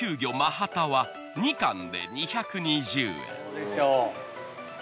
ハタは２貫で２２０円。